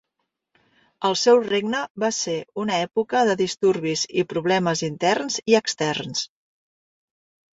El seu regne av ser una època de disturbis i problemes interns i externs.